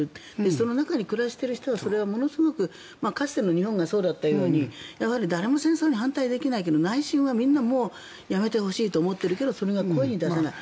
そこに暮らしている人たちはかつての日本がそうだったように誰も戦争に反対できないように内心はみんなやめてほしいと思っているけれどそれが声に出せない。